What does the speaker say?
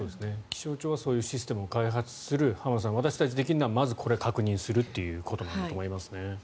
気象庁はそういうシステムを開発する浜田さん、私たちにできるのはまずこれを確認するということなんだと思いますね。